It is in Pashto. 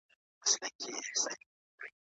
د نسیم قاصد لیدلي مرغکۍ دي په سېلونو